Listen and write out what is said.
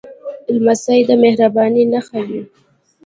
لمسی د مهربانۍ نښه وي.